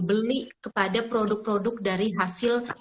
beli kepada produk produk dari hasil